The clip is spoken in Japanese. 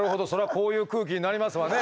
こういう空気になりますわね。